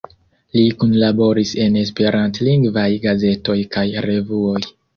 Li kunlaboris en esperantlingvaj gazetoj kaj revuoj.